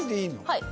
はい。